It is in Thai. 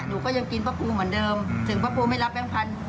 หนูก็ยอมกินป้าปูเหมือนเดิมถึงป้าปูไม่รับแรงพันธุ์